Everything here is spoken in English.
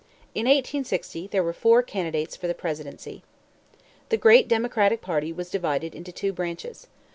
In 1860 there were four candidates for the presidency. The great Democratic Party was divided into two branches.